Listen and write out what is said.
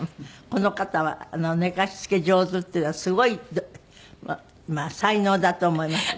この方は寝かしつけ上手っていうのはすごい才能だと思います。